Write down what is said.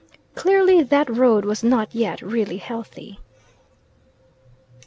Clearly that road was not yet really healthy.